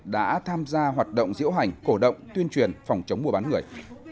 đã tham gia hoạt động diễu hành cổ động tuyên truyền phòng chống mua bán người